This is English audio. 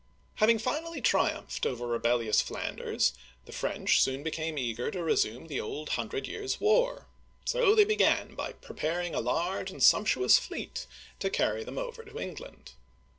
Having finally triumphed over rebellious Flanders, the French became eager to resume the old Hundred Years* War ; so they began by preparing a large and sumptuous fleet to carry them over to England.